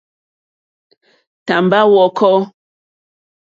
Tàmbá hwɔ̄kɔ̄.